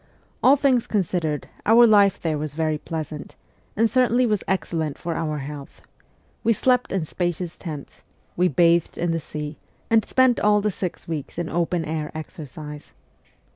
All things considered, our life there was very pleasant, and certainly was excellent for our health : we slept in spacious tents, we bathed in the sea, and spent all the six weeks in open air exercise.